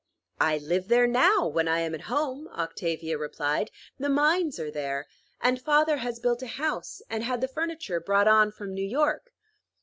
"I live there now, when I am at home," Octavia replied. "The mines are there; and father has built a house, and had the furniture brought on from New York."